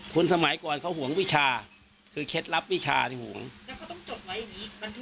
สมัยก่อนเขาห่วงวิชาคือเคล็ดลับวิชาที่ห่วงแล้วเขาต้องจดไว้อย่างนี้